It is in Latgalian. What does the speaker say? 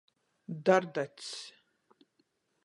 Dardacs.